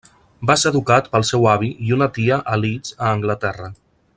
Va ser educat pel seu avi i una tia a Leeds a Anglaterra.